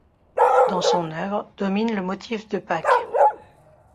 Dans son œuvre domine le motif de Pâques.